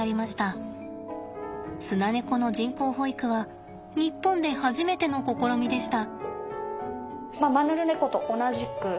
スナネコの人工哺育は日本で初めての試みでした。